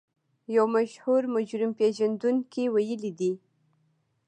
يو مشهور مجرم پېژندونکي ويلي دي.